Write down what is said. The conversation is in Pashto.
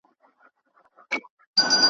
جنازې مو پر اوږو د ورځو ګرځي ,